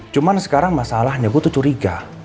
cuman sekarang masalahnya gue tuh curiga